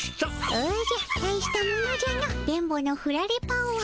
おじゃたいしたものじゃの電ボのふられパワー。